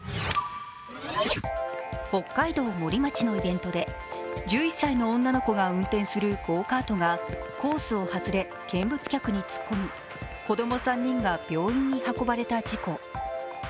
北海道森町のイベントで１１歳の女の子が運転するゴーカートがコースを外れ、見物客に突っ込み、子供３人が病院に運ばれた事故。